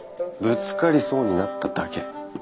ぶつかりそうになっただけ。